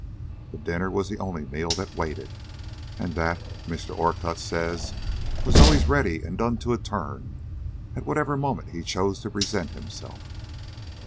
The dinner was the only meal that waited, and that, Mr. Orcutt says, was always ready and done to a turn at whatever moment he chose to present himself."